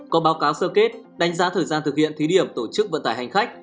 có báo cáo sơ kết đánh giá thời gian thực hiện thí điểm tổ chức vận tải hành khách